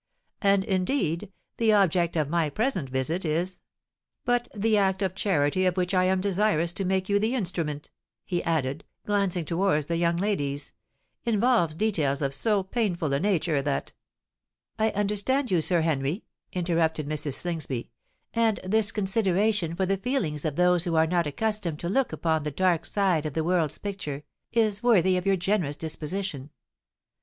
"And, indeed, the object of my present visit is——But the act of charity of which I am desirous to make you the instrument," he added, glancing towards the young ladies, "involves details of so painful a nature, that——" "I understand you, Sir Henry," interrupted Mrs. Slingsby; "and this consideration for the feelings of those who are not accustomed to look upon the dark side of the world's picture, is worthy of your generous disposition.